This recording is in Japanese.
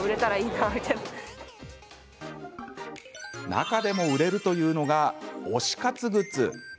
中でも売れるというのが推し活グッズ。